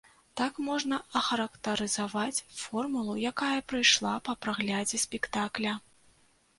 Так можна ахарактарызаваць формулу, якая прыйшла па праглядзе спектакля.